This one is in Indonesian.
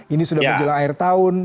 ini sudah menjelang akhir tahun